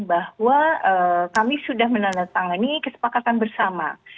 bahwa kami sudah menandatangani kesepakatan bersama